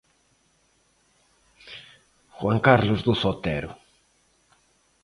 Juan Carlos Doce Otero.